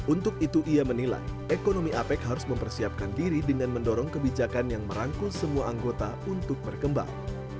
untuk itu ia menilai ekonomi apec harus mempersiapkan diri dengan mendorong kebijakan yang merangkul semua anggota untuk berkembang